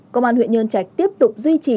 công an huyện nhân trạch tiếp tục duy trì